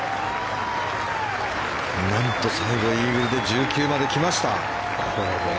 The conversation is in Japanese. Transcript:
なんと最後イーグルで１９まで来ました。